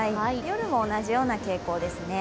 夜も同じような傾向ですね。